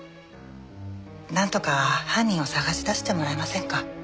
なんとか犯人を捜し出してもらえませんか？